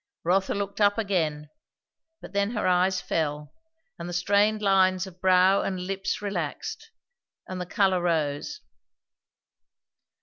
Rotha looked up again, but then her eyes fell, and the strained lines of brow and lips relaxed, and the colour rose.